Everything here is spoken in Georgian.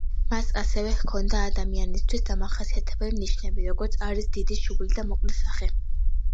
მას ასევე ჰქონდა ადამიანისთვის დამახასიათებელი ნიშნები, როგორიც არის დიდი შუბლი და მოკლე სახე.